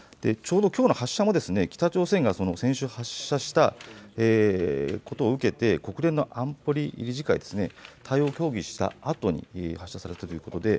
ちょうどきょうの発射も北朝鮮が先週発射したことを受けて国連の安保理理事会、対応を協議したあとに発射をされています。